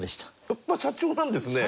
やっぱ社長なんですね。